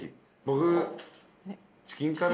僕。